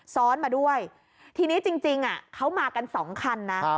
ซ้อนมาด้วยทีนี้จริงเขามากันสองคันนะ